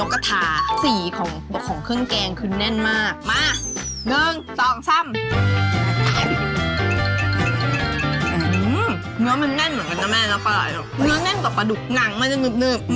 กางกลางก็คือมันเป็นอย่างเกิดกระดูกสันหลัง